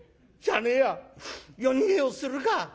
しゃあねえや夜逃げをするか」。